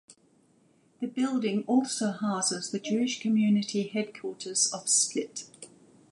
The building also houses the Jewish community headquarters of Split.